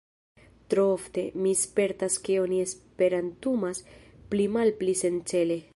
Tro ofte, mi spertas ke oni esperantumas pli-malpli sencele.